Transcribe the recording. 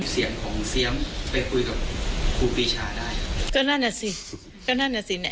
เสียงของเซียมไปคุยกับครูปีชาได้ก็นั่นอ่ะสิก็นั่นน่ะสิเนี่ย